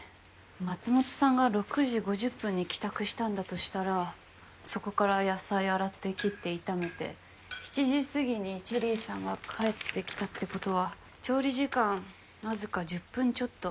松本さんが６時５０分に帰宅したんだとしたらそこから野菜洗って切って炒めて７時過ぎにチェリーさんが帰ってきたってことは調理時間僅か１０分ちょっと。